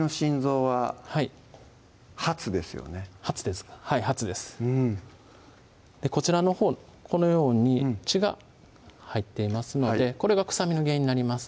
うんこちらのほうこのように血が入っていますのでこれが臭みの原因になります